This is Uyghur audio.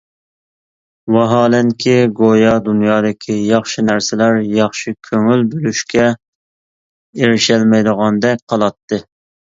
ۋاھالەنكى، گويا دۇنيادىكى ياخشى نەرسىلەر ياخشى كۆڭۈل بۆلۈشكە ئېرىشەلمەيدىغاندەك قىلاتتى.